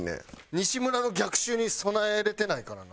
西村の逆襲に備えられてないからな。